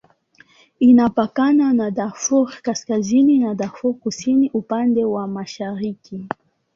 Inapakana na Darfur Kaskazini na Darfur Kusini upande wa mashariki.